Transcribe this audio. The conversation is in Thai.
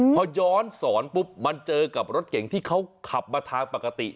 พอย้อนสอนปุ๊บมันเจอกับรถเก่งที่เขาขับมาทางปกติ